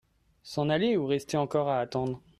S'en aller ou rester encore à attendre ?